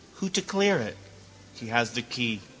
Who to clear it? He has the key.